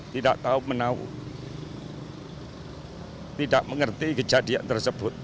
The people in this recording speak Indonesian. tidak tahu menau tidak mengerti kejadian tersebut